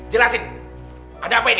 jelasin ada apak ini